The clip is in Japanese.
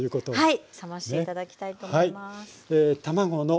はい。